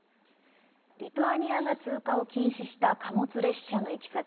リトアニアが通過を禁止した貨物列車の行き先